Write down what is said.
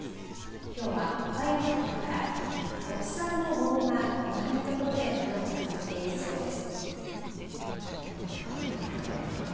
きょうは岡山局から特産の桃が意外な所で花を咲かせているそうです。